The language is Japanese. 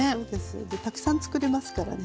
たくさんつくれますからね。